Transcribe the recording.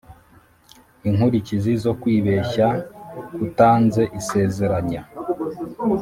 Inkurikizi zo kwibeshya k utanze isezeranya